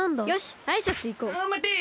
まて！